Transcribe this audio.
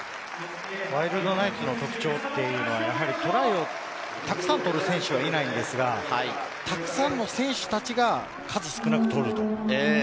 ワイルドナイツの特徴はやはり、トライをたくさん取る選手はいないのですが、たくさんの選手たちが数少なく取る。